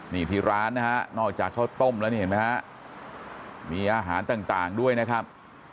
นี่ที่ร้านนะฮะนอกจากข้าวต้มแล้วนี่เห็นไหมฮะมีอาหารต่างด้วยนะครับ